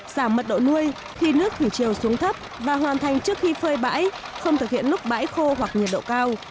giảm mật độ nuôi khi nước thủy chiều xuống thấp và hoàn thành trước khi phơi bãi không thực hiện lúc bãi khô hoặc nhiệt độ cao